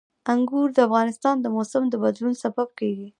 انګور د افغانستان د موسم د بدلون سبب کېږي.